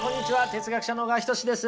哲学者の小川仁志です。